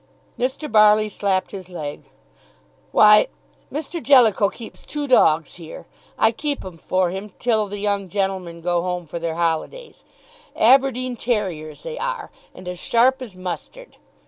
Mr. Barley slapped his leg. "Why, Mr. Jellicoe keeps two dogs here; I keep 'em for him till the young gentlemen go home for their holidays. Aberdeen terriers, they are, and as sharp as mustard.